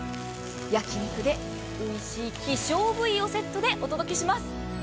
焼き肉で、おいしい希少部位をセットでお届けします。